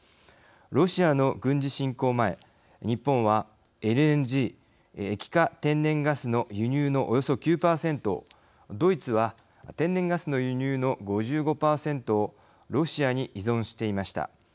ロシアの軍事侵攻前日本はＬＮＧ＝液化天然ガスの輸入のおよそ９％をドイツは天然ガスの輸入の５５％をロシアに依存していました。